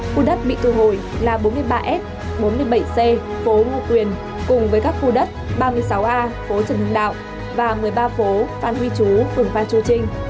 khu đất bị thu hồi là bốn mươi ba s bốn mươi bảy c phố ngo quyền cùng với các khu đất ba mươi sáu a phố trần hưng đạo và một mươi ba phố phan huy chú phường phan chu trinh